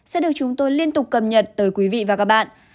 sẽ được chúng tôi liên tục cầm nhận tới quý vị và các bạn